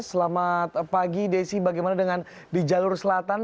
selamat pagi desi bagaimana dengan di jalur selatan